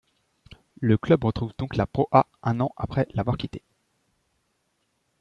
Le club retrouve donc la ProA, un an après l'avoir quittée.